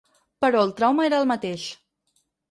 Però el trauma era el mateix.